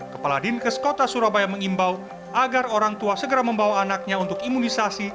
kepala dinkes kota surabaya mengimbau agar orang tua segera membawa anaknya untuk imunisasi